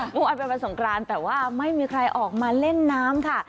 เมื่อวานเป็นวันสงกรานแต่ว่าไม่มีใครออกมาเล่นน้ำค่ะ